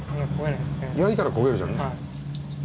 焼いたら焦げるじゃない。